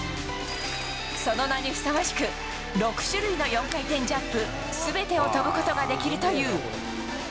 その名にふさわしく６種類の４回転ジャンプすべてを跳ぶことができるという。